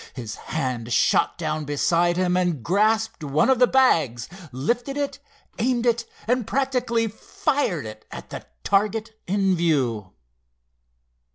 His hand shot down beside him and grasped one of the bags, lifted it, aimed it and practically fired it at the "target" in view.